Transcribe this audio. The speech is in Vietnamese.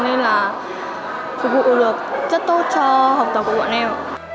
nên là phục vụ được rất tốt cho học tập của bọn em